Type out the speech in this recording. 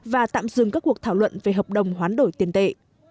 và tạm dừng các cuộc thảo luận về hợp đồng hoán đổi tiền tệ